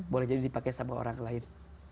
boleh jadi dipakai sama orang lain